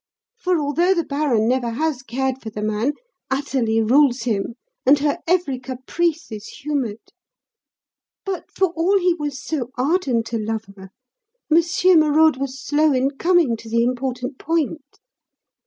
For although the baron never has cared for the man, Athalie rules him, and her every caprice is humoured. "But for all he was so ardent a lover, Monsieur Merode was slow in coming to the important point.